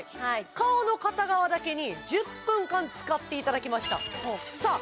顔の片側だけに１０分間使っていただきましたさあ